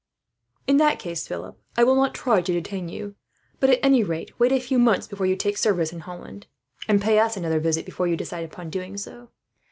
"In that case, Philip, I will not try to detain you; but at any rate, wait a few months before you take service in Holland, and pay us another visit before you decide upon doing so."